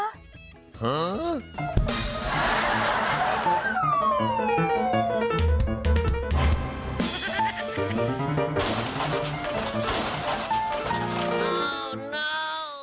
ฮือ